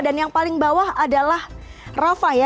dan yang paling bawah adalah rafah ya